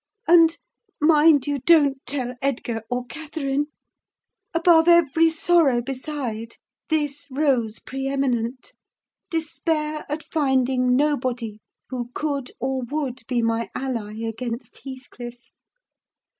and—mind you don't tell Edgar, or Catherine—above every sorrow beside, this rose pre eminent: despair at finding nobody who could or would be my ally against Heathcliff!